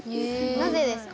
なぜですか？